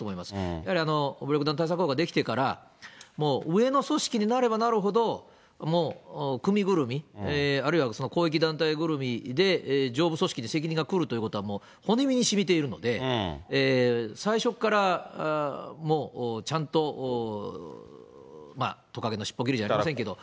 やはり暴力団対策法ができてから、もう上の組織になればなるほど、もう組ぐるみ、あるいは広域団体ぐるみで、上部組織に責任が来るということはもう骨身にしみているので、最初からもう、ちゃんと、トカゲの尻尾切りじゃありませんけど。